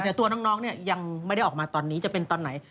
แต่ตัวน้องเนี่ยยังไม่ได้ออกมาตอนนี้จะเป็นตอนไหน